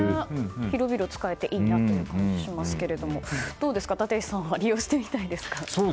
広々と使えていいなという気もしますがどうですか、立石さんは利用してみたいですか？